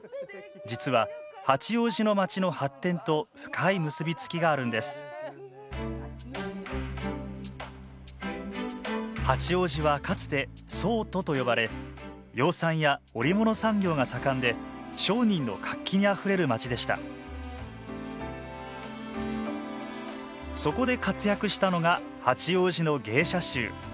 実は八王子の町の発展と深い結び付きがあるんです八王子はかつて桑都と呼ばれ養蚕や織物産業が盛んで商人の活気にあふれる町でしたそこで活躍したのが八王子の芸者衆。